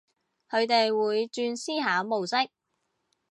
佢哋會轉思考模式